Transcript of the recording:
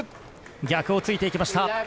逆をついていきました。